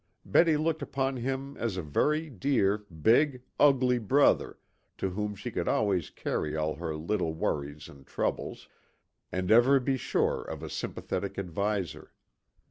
Betty looked upon him as a very dear, big, ugly brother to whom she could always carry all her little worries and troubles, and ever be sure of a sympathetic adviser.